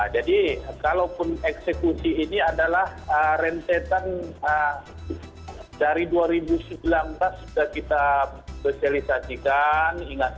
jadi kalaupun eksekusi ini adalah rentetan dari dua ribu sembilan belas sudah kita fosilisasikan ingatkan